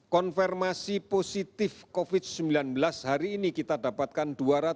konfirmasi positif covid sembilan belas hari ini kita dapatkan dua ratus tiga puluh tiga